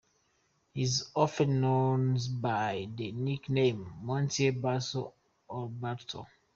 He is often known by the nicknames "Monsieur Barso" or "Barzo".